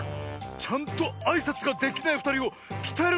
ちゃんとあいさつができないふたりをきたえるためにやってきた。